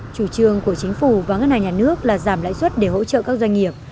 chủ trương của chính phủ và ngân hàng nhà nước là giảm lãi suất để hỗ trợ các doanh nghiệp